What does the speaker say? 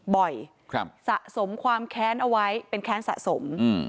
สะสมความแค้นเอาไว้เป็นแค้นสะสม